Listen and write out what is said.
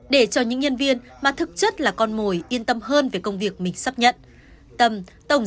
để cho những nhân viên mà thực chất là con mồi yên tâm hơn về công việc mình sắp nhận